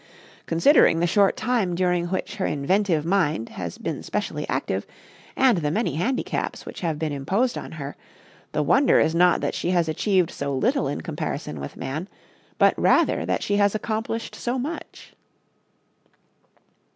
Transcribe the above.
Considering the short time during which her inventive mind has been specially active, and the many handicaps which have been imposed on her, the wonder is not that she has achieved so little in comparison with man, but rather that she has accomplished so much.